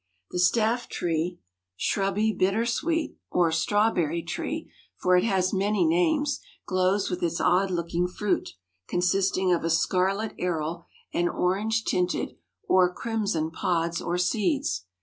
The staff tree, shrubby bitter sweet or strawberry tree—for it has many names—glows with its odd looking fruit, consisting of a scarlet aril and orange tinted, or crimson pods or seeds.